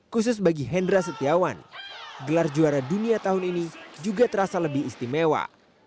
khusus bagi hendra setiawan gelar juara dunia tahun ini juga terasa lebih istimewa